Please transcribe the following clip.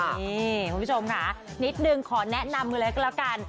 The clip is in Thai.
นี่คุณผู้ชมค่ะนิดนึงขอแนะนำกันเลยก็แล้วกัน